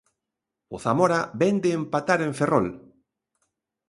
O Zamora vén de empatar en Ferrol.